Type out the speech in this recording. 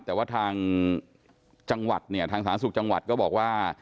แต่ว่าทางสาธารณสูตรจังหวัดก็บอกว่า